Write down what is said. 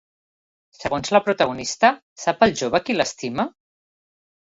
Segons la protagonista, sap el jove qui l'estima?